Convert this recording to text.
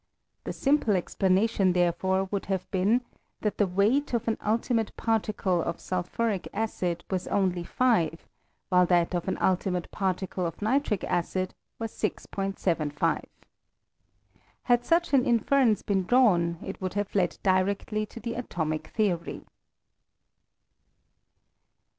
The simple explanation, therefore, would have been — tbat the weight of an nltimate 1 particle of sulphuric acid was only fire, while that of an ultimate particle of nitric acid was 6'75. Had such an inference been drawn, it would have led directly to the atomic theory.